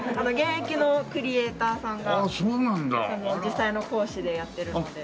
現役のクリエイターさんが実際の講師でやってるので。